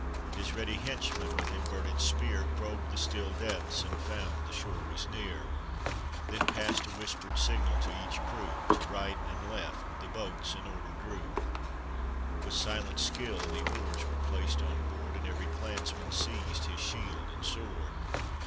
His ready henchman, with inverted spear. Probed the still depths, and found the shore was near, Then passed a whispered signal to each crew; To right and left the boats in order drew, With silent skill the oars were placed on board, And every clansman seized his shield and sword.